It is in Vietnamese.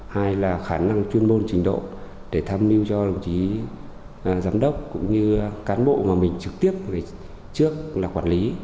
hai là khả năng chuyên môn trình độ để tham mưu cho đồng chí giám đốc cũng như cán bộ mà mình trực tiếp trước là quản lý